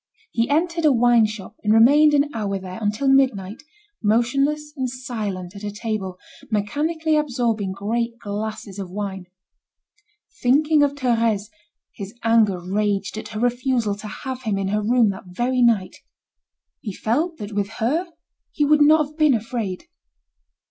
He entered a wine shop and remained an hour there, until midnight, motionless and silent at a table, mechanically absorbing great glasses of wine. Thinking of Thérèse, his anger raged at her refusal to have him in her room that very night. He felt that with her he would not have been afraid.